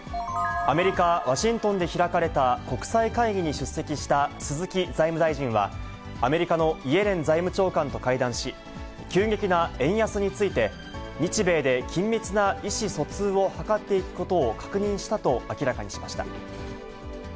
アメリカ・ワシントンで開かれた国際会議に出席した鈴木財務大臣は、アメリカのイエレン財務長官と会談し、急激な円安について、日米で緊密な意思疎通を図っていくことを確認したと明らかにしました。